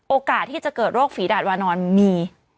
โอกาสที่จะเกิดโรคฝีดาดวานอนมี